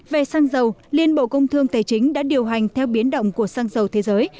về xăng dầu liên bộ công thương tài chính đã điều hành theo biến động của xăng dầu thế giới